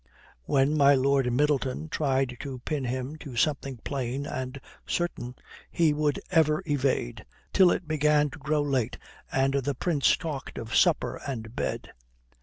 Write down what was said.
When my Lord Middleton tried to pin him to something plain and certain he would ever evade, till it began to grow late and the Prince talked of supper and bed.